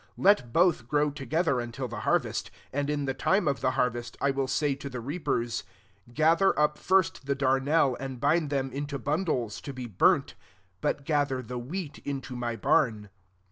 30 Let both grow together until the harvest ; and in the time of the harvest, I will say to the rea pers, ' Gather up first the dar nel, and bind them [into] bun dles to be burnt : but gather the wheat into my barn.'